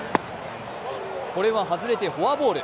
これは外れてフォアボール。